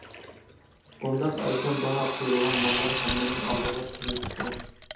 بۇنداق ئەرزان باھا قويۇلغان ماللار ھەممىنىڭ ئالدىغا تىزىلىپ چىقىدۇ.